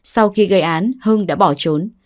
sau khi gây án hưng đã bỏ trốn